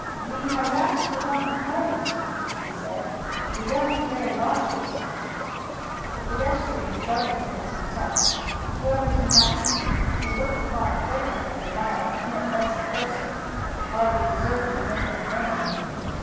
"Thee has asked the wrong party," he said. "We don't carry watches." The pedestrian regarded him with contempt. Whoever he might be he looked upon a Quaker as a mild, inoffensive person, hardly deserving the name of man.